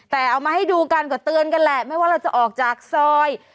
แต่เอามาให้ดูกันก็เตือนกันแหละไม่ว่าเราจะออกจากซอย